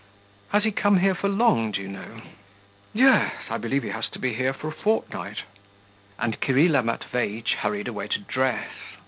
'Has he come here for long, do you know?' 'Yes, I believe he has to be here for a fortnight.' And Kirilla Matveitch hurried away to dress.